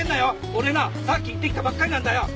俺なさっき行ってきたばっかりなんだよ。